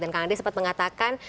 dan kang adeh sempat mengatakan